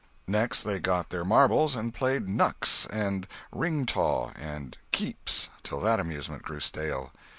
Next they got their marbles and played "knucks" and "ringtaw" and "keeps" till that amusement grew stale.